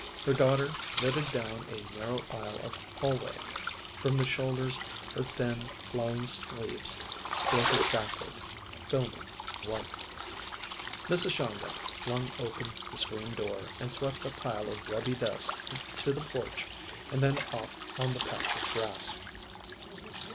Her daughter flitted down a narrow aisle of hallway; from the shoulders her thin, flowing sleeves floated backward, filmy, white. Mrs. Shongut flung open the screen door and swept a pile of webby dust to the porch and then off on the patch of grass.